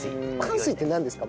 かんすいってなんですか？